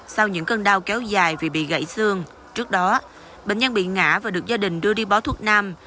sau những cơn đau kéo dài vì bị gãy xương trước đó bệnh nhân bị ngã và được gia đình đưa đi bó thuốc nam